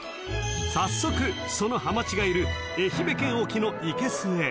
［早速そのはまちがいる愛媛県沖のいけすへ］